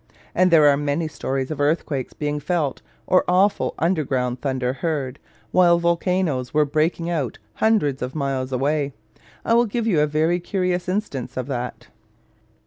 And there are many stories of earthquakes being felt, or awful underground thunder heard, while volcanos were breaking out hundreds of miles away. I will give you a very curious instance of that.